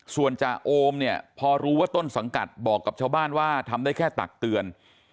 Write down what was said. ส่วนจ่าโอมเนี่ยพอรู้ว่าต้นสังกัดบอกกับชาวบ้านว่าทำได้แค่ตักเตือน